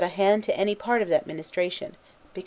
3 xxi1. 2 any part of that ministration, because.